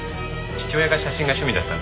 父親が写真が趣味だったので。